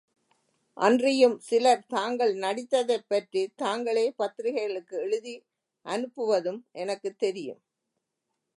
அன்றியும் சிலர் தாங்கள் நடித்ததைப்பற்றித் தாங்களே பத்திரிகைகளுக்கு எழுதி அனுப்புவதும் எனக்குத் தெரியும்.